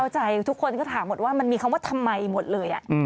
ทุกคนก็ถามหมดว่ามันมีคำว่าทำไมหมดเลย